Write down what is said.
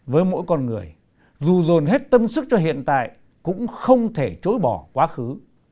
với mỗi con người dù dồn hết tâm sức cho hiện tại cũng không thể chối bỏ quá khứ